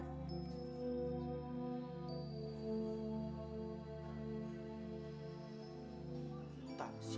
siapapun yang ingat untuk kalian zijn